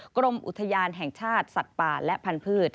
กรมอุทยานแห่งชาติสัตว์ป่าและพันธุ์